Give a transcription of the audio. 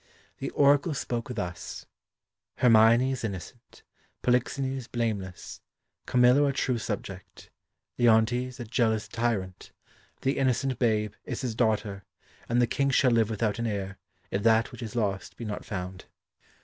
The Oracle spoke thus: "Hermione is innocent; Polixenes blameless; Camillo a true subject; Leontes a jealous tyrant; the innocent babe is his daughter; and the King shall live without an heir if that which is lost be not found."